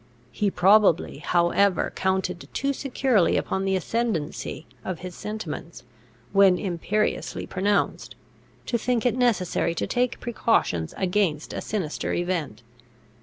He probably however counted too securely upon the ascendancy of his sentiments, when imperiously pronounced, to think it necessary to take precautions against a sinister event.